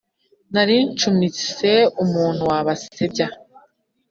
Naricumise umuntu wa Basebya